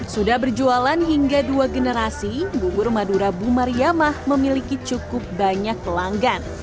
sudah berjualan hingga dua generasi bubur madura buma riyamah memiliki cukup banyak pelanggan